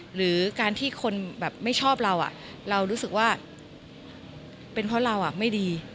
หรือการที่คนแบบไม่ชอบเราเรารู้สึกว่าเป็นเพราะเราไม่ดี